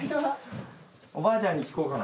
おばあちゃんに聞こうかな。